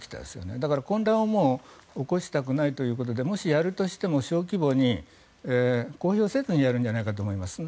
だから混乱をもう起こしたくないということでもしやるとしても小規模に公表せずにやるんじゃないかと思いますね。